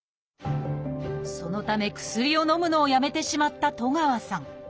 そのため薬をのむのをやめてしまった東川さん。